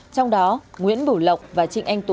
trong đó nguyễn bủ lộc và trịnh anh tú